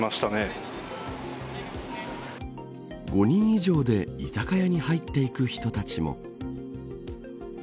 ５人以上で居酒屋に入っていく人たちも。